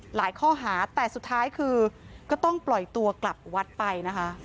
ข้อหาแต่สุดท้ายคือก็ต้องปล่อยตัวกลับวัดไปนะคะ